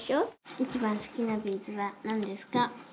一番好きなビーズは何ですか？